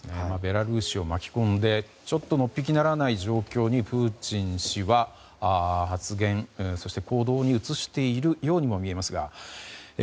ベラルーシを巻き込んでのっぴきならない状況にプーチン氏は発言そして行動に移しているようにも見えますが。